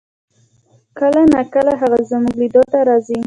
کله نا کله هغه زمونږ لیدو ته راځي